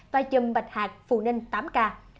và chùm bạch hạc phù ninh tám ca